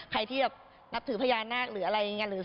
ใครที่แบบนับถือพญานาคหรืออะไรอย่างนี้